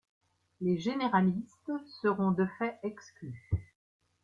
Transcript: Les généralistes seront de fait exclues.